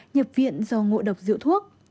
nhập viện do ngộ độc rượu thuốc